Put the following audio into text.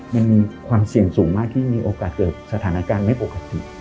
มันมีความเสี่ยงสูงมากที่มีโอกาสเกิดสถานการณ์ไม่ปกติ